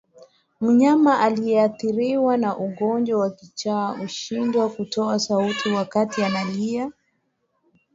Mnyama aliyeathirika na ugonjwa wa kichaa hushindwa kutoa sauti wakati analia